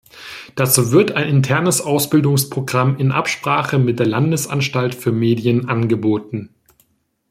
Dazu wird ein internes Ausbildungsprogramm in Absprache mit der Landesanstalt für Medien angeboten.